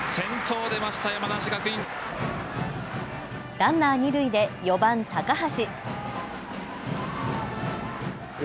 ランナー二塁で４番・高橋。